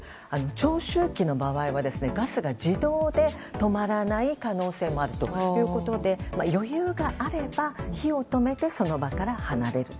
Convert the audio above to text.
長周期の場合はガスが自動で止まらない可能性もあるということで余裕があれば火を止めてその場から離れる。